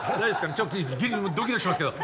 ちょっとドキドキしますけど。